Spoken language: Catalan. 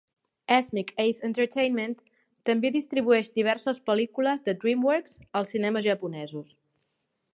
Asmik Ace Entertainment també distribueix diverses pel·lícules de DreamWorks als cinemes japonesos.